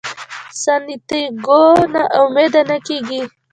سانتیاګو نا امیده نه کیږي.